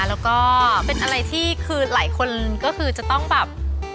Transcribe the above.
แล้วก็เป็นอะไรที่คือหลายคนก็คือจะต้องแบบ